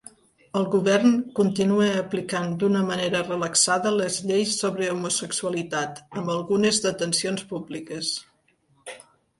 El govern continua aplicant d'una manera relaxada les lleis sobre homosexualitat amb algunes detencions públiques.